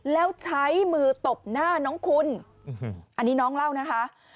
แล้วใช้มือตบหน้าน้องคุณอันนี้น้องเล่านะคะ